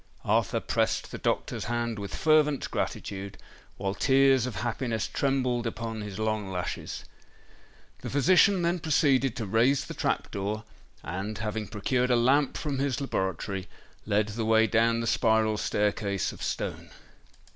Arthur pressed the doctor's hand with fervent gratitude, while tears of happiness trembled upon his long lashes. The physician then proceeded to raise the trap door; and, having procured a lamp from his laboratory, led the way down the spiral staircase of stone.